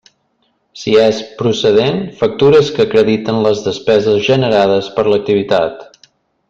Si és procedent, factures que acrediten les despeses generades per l'activitat.